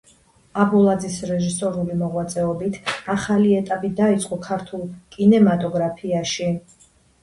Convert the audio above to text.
აბულაძის რეჟისორული მოღვაწეობით ახალი ეტაპი დაიწყო ქართულ კინემატოგრაფიაში.